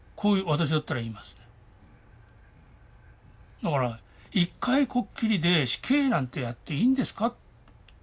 だから１回こっきりで死刑なんてやっていいんですか？